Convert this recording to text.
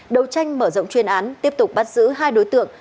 đầu tranh mở rộng chuyên án tiếp tục bắt giữ hai đối tượng